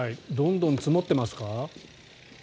どんどん積もってますか？